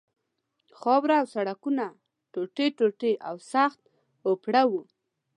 خاوره او سړکونه ټوټې ټوټې او سخت اوپړه وو.